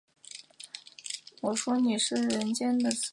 默格尔斯是奥地利福拉尔贝格州布雷根茨县的一个市镇。